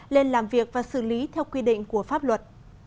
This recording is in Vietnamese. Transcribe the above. lên làm việc và xử lý theo quy định của pháp luật